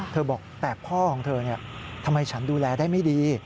บอกแต่พ่อของเธอทำไมฉันดูแลได้ไม่ดี